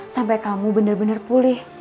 sampai kamu bener bener pulih